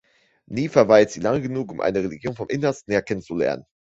Nie verweilt sie lange genug, um eine Religion vom Innersten her kennenzulernen.